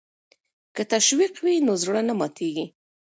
که تشویق وي نو زړه نه ماتیږي.